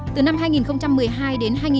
điều này không thường